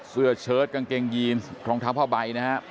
เสื้อเชิดกางเกงยีนทองเท้าพ่อใบนะฮะ